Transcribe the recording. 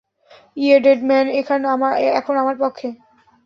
ইয়ে, dead man এখন আমার পক্ষে!